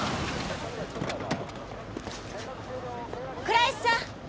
倉石さん！